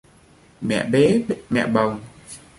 Mẹ bế mẹ bồng